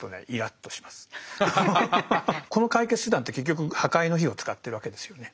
この解決手段って結局破壊の火を使ってるわけですよね。